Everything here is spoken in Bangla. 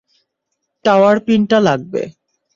টাওয়ার পিনটা লাগবে।